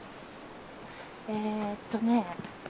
ええとね。